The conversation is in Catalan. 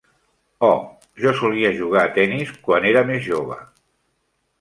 Oh, jo solia jugar a tennis quan era més jove.